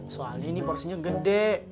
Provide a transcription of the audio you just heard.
soalnya ini porsinya gede